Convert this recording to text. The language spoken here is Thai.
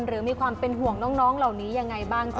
หรือมีความเป็นห่วงน้องเหล่านี้ยังไงบ้างจ้